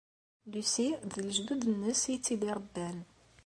Lucy d lejdud-nnes ay tt-id-iṛebban.